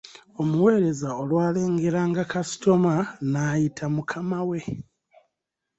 Omuweereza olwalengeranga kasitoma, n'ayita mukama we.